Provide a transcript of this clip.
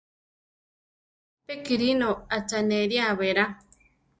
Pe Kírino acháneria berá.